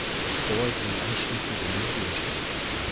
Bauer ging anschließend in den Ruhestand.